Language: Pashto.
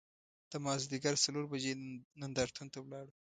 د مازدیګر څلور بجې نندار تون ته لاړو.